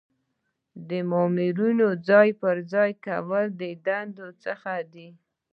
د مامورینو ځای پر ځای کول د دندو څخه دي.